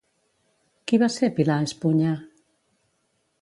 Qui va ser Pilar Espuña?